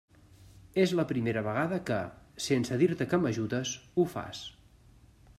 És la primera vegada que, sense dir-te que m'ajudes, ho fas.